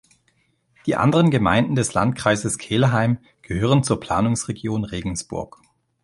Die anderen Gemeinden des Landkreises Kelheim gehören zur Planungsregion Regensburg.